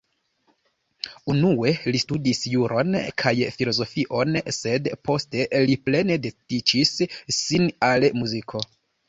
Unue li studis juron kaj filozofion, sed poste li plene dediĉis sin al muziko.